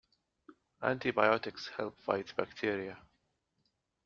Antibiotics help fight bacteria.